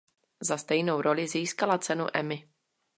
Za stejnou roli získala cenu Emmy.